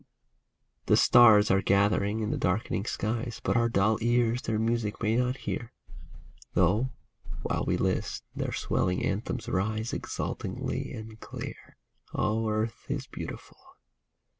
The stars are gathering in the darkening skies, But our dull ears their music may not hear, Though, while we list, their swelling anthems rise Exultingly and clear ! O Earth is beautiful